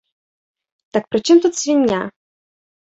Так пры чым тут свіння?